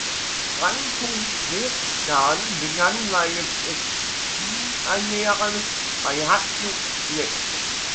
Franko Bogdan begann seine Profikarriere bei Hajduk Split.